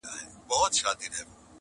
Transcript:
سل سهاره جاروم له دې ماښامه.